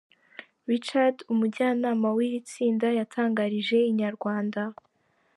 Richard umujyanama w’iri tsinda yatangarije inyarwanda.